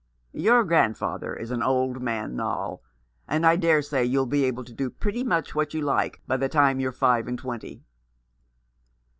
"Your grandfather is an old man, Noll, and I dare say you'll be able to do pretty much what you like by the time you're five and twenty."